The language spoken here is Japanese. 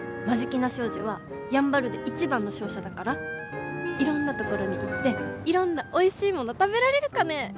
眞境名商事はやんばるで一番の商社だからいろんなところに行っていろんなおいしいもの食べられるかね。